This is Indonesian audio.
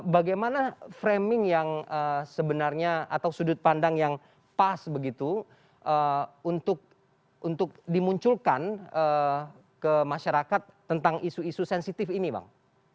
bagaimana framing yang sebenarnya atau sudut pandang yang pas begitu untuk dimunculkan ke masyarakat tentang isu isu sensitif ini bang